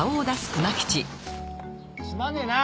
すまねえな